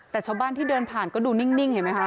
แต่ชาวบ้านที่เดินผ่านก็ดูนิ่งเห็นไหมคะ